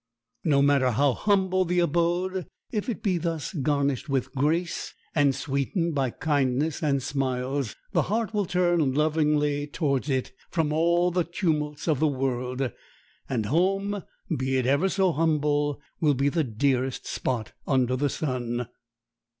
No matter how humble the abode, if it be thus garnished with grace and sweetened by kindness and smiles, the heart will turn lovingly towards it from all the tumults of the world, and home, "be it ever so humble," will be the dearest spot under the sun.